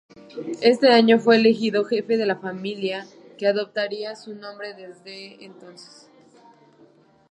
Ese año fue elegido jefe de la familia que adoptaría su nombre desde entonces.